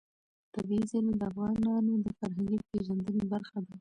طبیعي زیرمې د افغانانو د فرهنګي پیژندنې برخه ده.